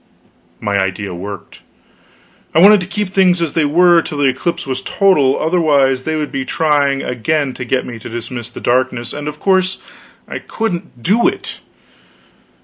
My idea worked. I wanted to keep things as they were till the eclipse was total, otherwise they would be trying again to get me to dismiss the darkness, and of course I couldn't do it.